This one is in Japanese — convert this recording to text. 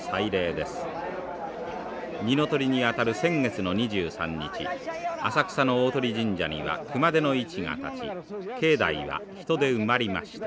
二の酉に当たる先月の２３日浅草の鷲神社には熊手の市が立ち境内は人で埋まりました。